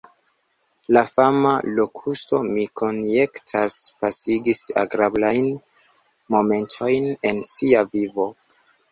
La fama Lokusto, mi konjektas, pasigis agrablajn momentojn en sia vivo.